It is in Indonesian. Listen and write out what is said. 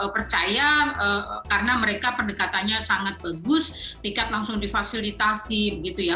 percaya karena mereka pendekatannya sangat bagus tiket langsung difasilitasi begitu ya